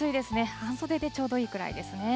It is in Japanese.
半袖でちょうどいいくらいですね。